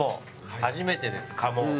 初めてです鴨。